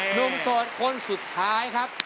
หนุ่มสดคนสุดท้ายครับ